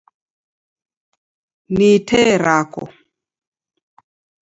Ni tee rako.